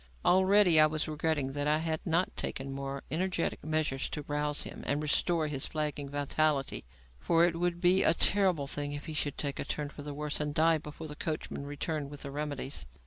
Already I was regretting that I had not taken more energetic measures to rouse him and restore his flagging vitality; for it would be a terrible thing if he should take a turn for the worse and die before the coachman returned with the remedies.